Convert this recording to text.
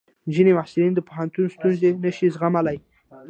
ځینې محصلین د پوهنتون ستونزې نشي زغملی.